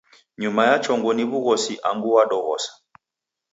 Nyuma ya chongo ni w'ugosi angu mwadoghosa.